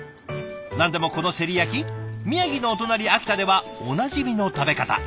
何でもこのせり焼き宮城のお隣秋田ではおなじみの食べ方。